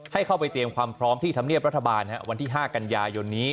ให้เข้าไปเตรียมความพร้อมที่ธรรมเนียบรัฐบาลวันที่๕กันยายนนี้